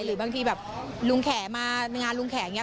หรือบางทีแบบลุงแขมางานลุงแขกอย่างนี้